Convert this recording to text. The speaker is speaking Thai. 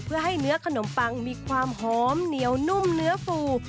เพื่อให้เนื้อขนมปังมีความหอมเหนียวนุ่มเนื้อฟู